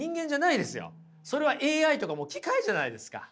それはＡＩとかもう機械じゃないですか。